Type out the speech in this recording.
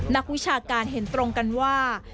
นักวิชาการเห็นตรงกันว่า